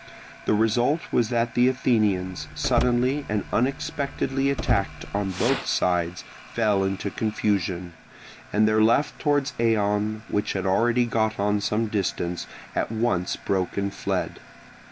The result was that the Athenians, suddenly and unexpectedly attacked on both sides, fell into confusion; and their left towards Eion, which had already got on some distance, at once broke and fled.